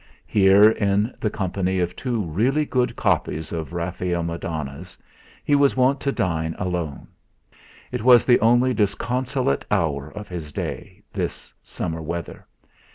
Here in the company of two really good copies of Raphael Madonnas he was wont to dine alone. It was the only disconsolate hour of his day, this summer weather.